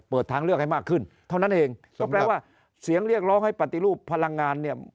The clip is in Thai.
ทางเลือกให้มากขึ้นเท่านั้นเองก็แปลว่าเสียงเรียกร้องให้ปฏิรูปพลังงานเนี่ย